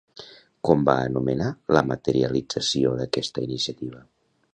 Com va anomenar la materialització d'aquesta iniciativa?